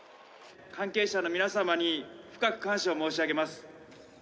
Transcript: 関係者の皆様に深く感謝を申し上げます。